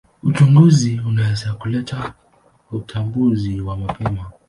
Uchunguzi unaweza kuleta utambuzi wa mapema.